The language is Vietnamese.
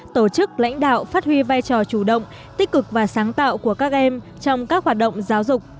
tổ chức lãnh đạo phát huy vai trò chủ động tích cực và sáng tạo của các em trong các hoạt động giáo dục